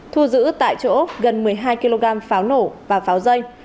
thu giữ tại chỗ gần một mươi hai kg pháo nổ và pháo dây